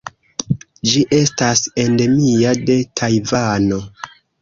Ĝi estas endemia de Tajvano.